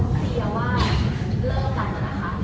เพลียวว่าเราน่ากันนะคะ